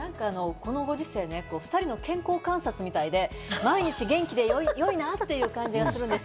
このご時世、２人の健康観察みたいで、毎日元気で良いなという感じです。